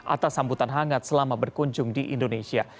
atas sambutan hangat selama berkunjung di indonesia